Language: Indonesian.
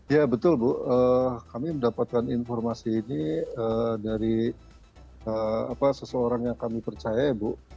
ya betul bu kami mendapatkan informasi ini dari seseorang yang kami percaya ya bu